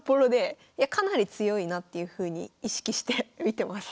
かなり強いなっていうふうに意識して見てます。